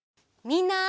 みんな。